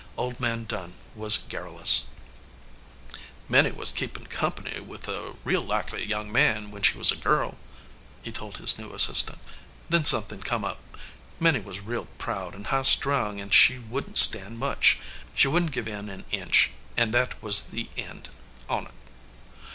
Old Man Dunn was garrulous. 299 EDGEWATER PEOPLE "Minnie was keepin company with a real likely young man when she was a girl," he told his new assistant. "Then somethin come up. Minnie was real proud and high strung an she wouldn t stand much. She wouldn t give in an inch, and that was the end on t.